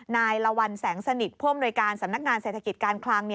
ละวันแสงสนิทผู้อำนวยการสำนักงานเศรษฐกิจการคลัง